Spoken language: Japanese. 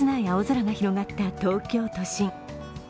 青空が広がった東京都心。